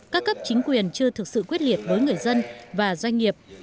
các cấp chính quyền chưa thực sự quyết liệt với người dân và doanh nghiệp